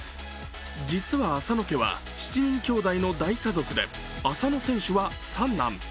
実は浅野家は７人兄弟の大家族で浅野選手は三男。